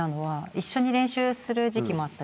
一緒に練習する時期もあったじゃない。